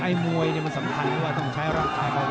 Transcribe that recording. ไอ้มวยสำคัญก็ใช้รักใครไปช่วย